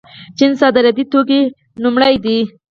چین صادراتي توکو کې لومړی دی.